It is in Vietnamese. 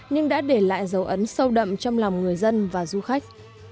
nhưng đã để lại dấu ấn sâu đậm trong lòng người dân và du khách